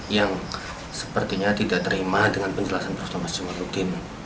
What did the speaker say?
yang sepertinya tidak terima dengan penjelasan prof thomas jamaluddin